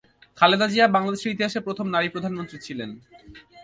খালেদা জিয়া বাংলাদেশের ইতিহাসে প্রথম নারী প্রধানমন্ত্রী ছিলেন।